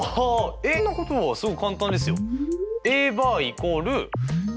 えっそんなことはすごい簡単ですよ。